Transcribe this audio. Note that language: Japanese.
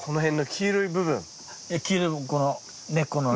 黄色い部分この根っこのね。